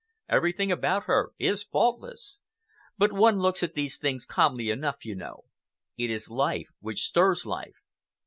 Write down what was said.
Everything about her is faultless. But one looks at these things calmly enough, you know. It is life which stirs life."